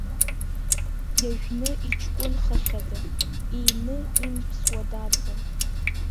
Иажәны иҷкәынхахьада, иины имԥсуа дарбан!